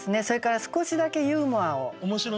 それから少しだけユーモアを。